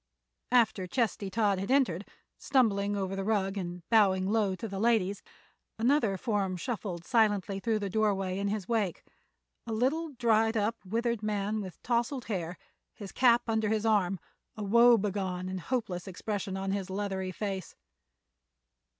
After Chesty Todd had entered, stumbling over the rug and bowing low to the ladies, another form shuffled silently through the doorway in his wake—a little, dried up, withered man with tousled hair, his cap under his arm, a woebegone and hopeless expression on his leathery face.